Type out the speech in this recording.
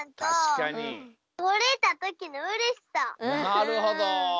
なるほど。